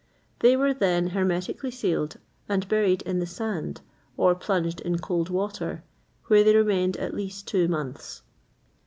They were then hermetically sealed, and buried in the sand, or plunged in cold water, where they remained at least two months.